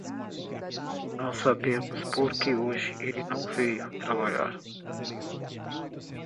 Não sabemos por que hoje ele não veio trabalhar.